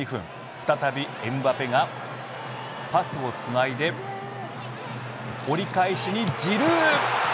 再びエムバペがパスをつないで折り返しにジルー。